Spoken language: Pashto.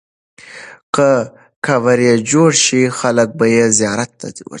که قبر یې جوړ سي، خلک به یې زیارت ته ورځي.